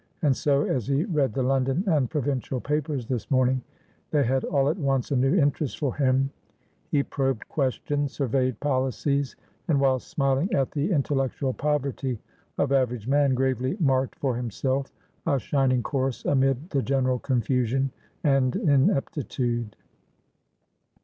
And so, as he read the London and provincial papers this morning, they had all at once a new interest for him; he probed questions, surveyed policies, and whilst smiling at the intellectual poverty of average man, gravely marked for himself a shining course amid the general confusion and ineptitude.